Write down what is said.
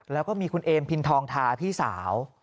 แล้วก็มีคุณเอมพินทองทาพี่สาว